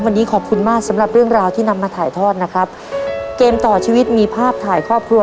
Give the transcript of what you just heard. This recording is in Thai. วันนี้ขอบคุณมากสำหรับเรื่องราวที่นำมาถ่ายทอดนะครับเกมต่อชีวิตมีภาพถ่ายครอบครัว